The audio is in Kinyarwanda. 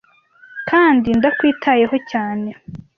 kandi ndakwitayeho cyane.